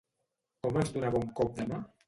Com els donava un cop de mà?